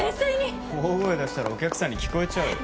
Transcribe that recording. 大声出したらお客さんに聞こえちゃうよ。